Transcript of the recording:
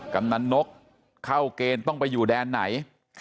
กำนันนกเข้าเกณฑ์ต้องไปอยู่แดนไหน